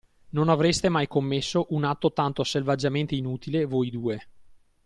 Non avreste mai commesso un atto tanto selvaggiamente inutile, voi due.